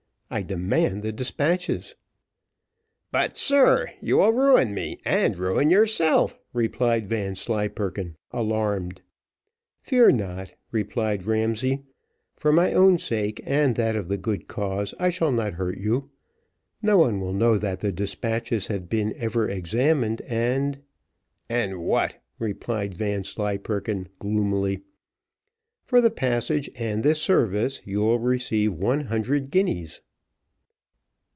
I demand the despatches." "But, sir, you will ruin me and ruin yourself," replied Vanslyperken, alarmed. "Fear not," replied Ramsay; "for my own sake, and that of the good cause, I shall not hurt you. No one will know that the despatches have been ever examined, and " "And what?" replied Vanslyperken, gloomily. "For the passage, and this service, you will receive one hundred guineas."